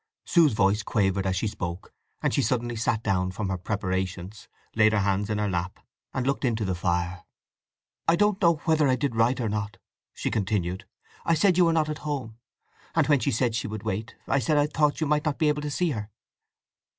Sue's voice quavered as she spoke, and she suddenly sat down from her preparations, laid her hands in her lap, and looked into the fire. "I don't know whether I did right or not!" she continued. "I said you were not at home, and when she said she would wait, I said I thought you might not be able to see her."